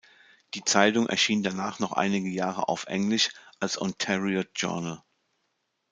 Die Zeitung erschien danach noch einige Jahre auf Englisch als "Ontario Journal".